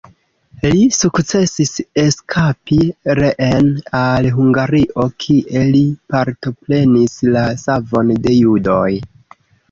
Li sukcesis eskapi reen al Hungario kie li partoprenis la savon de judoj.